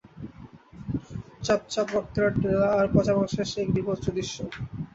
চাপচাপ রক্তের ডেলা আর পচা মাংসের সে এক বীভৎস দৃশ্য।